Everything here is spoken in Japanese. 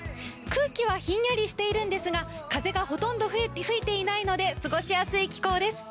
空気はひんやりしているんですが、風がほとんど吹いていないので過ごしやすい気候です。